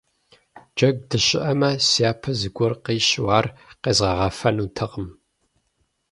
Джэгу дыщыӀэмэ, сяпэ зыгуэр къищу ар къезгъэгъэфэнутэкъым.